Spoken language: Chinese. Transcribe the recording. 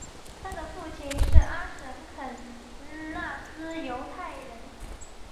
他的父亲是阿什肯纳兹犹太人。